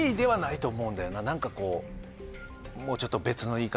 何かこうもうちょっと。